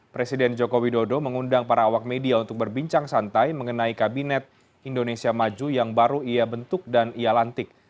presiden joko widodo mengundang para awak media untuk berbincang santai mengenai kabinet indonesia maju yang baru ia bentuk dan ia lantik